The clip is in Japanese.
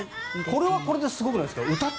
これはこれですごくないですか。